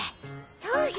そうよ。